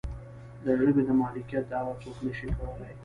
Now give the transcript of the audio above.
د ژبې د مالکیت دعوه څوک نشي کولی.